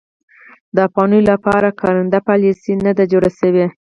د افغانیو لپاره کارنده پالیسي نه ده جوړه شوې.